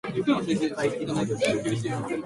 帰宅時間